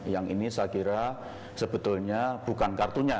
yang ini saya kira sebetulnya bukan kartunya